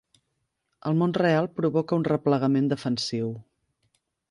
El món real provoca un replegament defensiu.